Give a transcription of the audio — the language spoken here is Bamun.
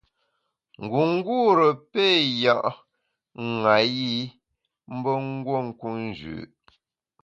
Ngungûre péé ya’ ṅayi mbe nguo nku njü.